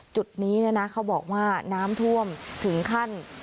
จุดนี้เขาบอกว่าน้ำท่วมถึงขั้น